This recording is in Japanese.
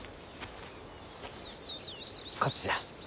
こっちじゃ。